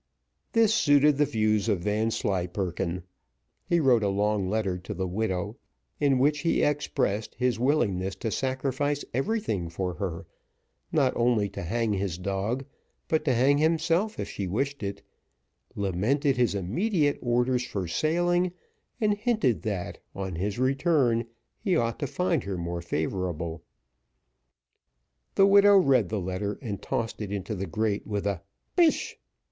This suited the views of Vanslyperken; he wrote a long letter to the widow, in which he expressed his willingness to sacrifice everything for her not only to hang his dog, but to hang himself if she wished it lamented his immediate orders for sailing, and hinted that, on his return, he ought to find her more favourable. The widow read the letter, and tossed it into the grate with a Pish!